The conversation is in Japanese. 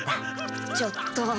ちょっと。